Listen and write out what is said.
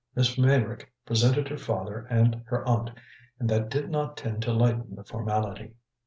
Miss Meyrick presented her father and her aunt, and that did not tend to lighten the formality.